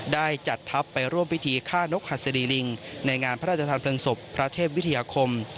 ได้จัดทัพไปร่วมพิธีฆ่านกหัสดีลิงในงานพระราชทานเพลิงศพพระเทพวิทยาคม